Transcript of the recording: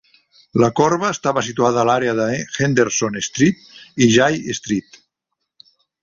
La corba estava situada a l"àrea de Henderson Street i Jay Street.